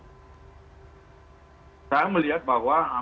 saya melihat bahwa